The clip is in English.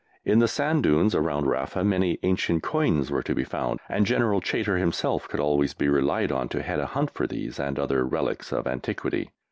In the sand dunes around Rafa many ancient coins were to be found, and General Chaytor himself could always be relied on to head a hunt for these and other relics of antiquity.